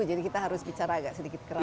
jadi kita harus bicara agak sedikit keras